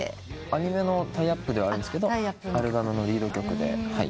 アニメのタイアップではあるんですがアルバムのリード曲で。